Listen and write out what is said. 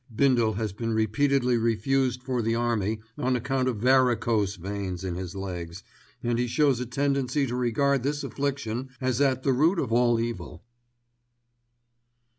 *Bindle has been repeatedly refused for the Army on account of varicose veins in his legs, and he shows a tendency to regard this affliction as at the root of all evil.